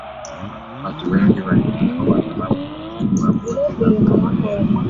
watu wengi walikufa kwa sababu ya ukosefu wa boti za kuokolea